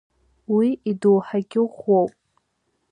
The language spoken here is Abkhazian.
Уи идоуҳагьы ӷәӷәоуп.